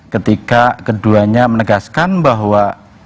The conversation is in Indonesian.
ketika keduanya menegaskan bahwa